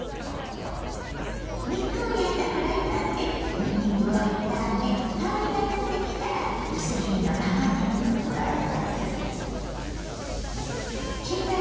肉を焼いたフライパンでにんにくを炒め香りがたってきたら薄切りのたまねぎを加えます。